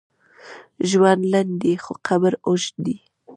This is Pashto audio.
ژوند لنډ دی، خو قبر اوږد دی.